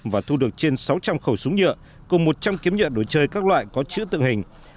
và thu được trên sáu trăm linh khẩu súng nhựa cùng một trăm linh kiếm nhựa đồ chơi các loại có chữ tượng hình